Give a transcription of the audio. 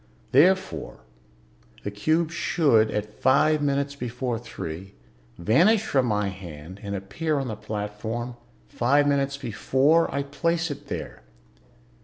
Therefore, the cube should, at five minutes before three, vanish from my hand and appear on the platform, five minutes before I place it there."